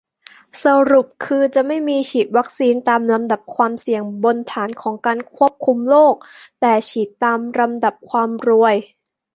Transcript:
สรุปคือ จะไม่ฉีดวัคซีนตามลำดับความเสี่ยง-บนฐานของการควบคุมโรค แต่ฉีดตามลำดับความรวย